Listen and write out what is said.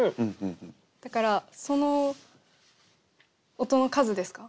だからその音の数ですか？